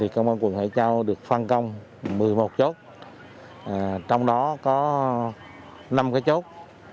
công an quận hải châu được phan công một mươi một chốt trong đó có năm chốt